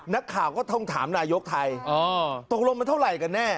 นักข่าวก็ต้องถามนายกไทยตกลงมันเท่าไหร่กันแน่